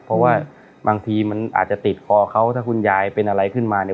เพราะว่าบางทีมันอาจจะติดคอเขาถ้าคุณยายเป็นอะไรขึ้นมาเนี่ย